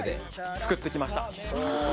作ってきました。